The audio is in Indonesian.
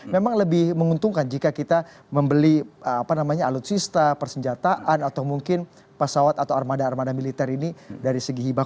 memang lebih menguntungkan jika kita membeli alutsista persenjataan atau mungkin pesawat atau armada armada militer ini dari segi hibah